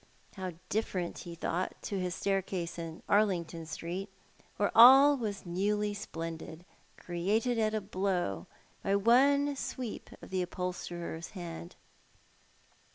How different, he thought, to his staircase in Arlington Street* where all was newly splendid, created at a blow, by one sweep of the upholsterer's hand